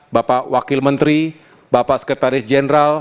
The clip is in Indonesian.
bapak wakil menteri bapak sekretaris jenderal